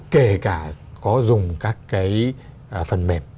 kể cả có dùng các cái phần mềm